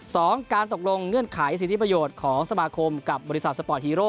การตกลงเงื่อนไขสิทธิประโยชน์ของสมาคมกับบริษัทสปอร์ตฮีโร่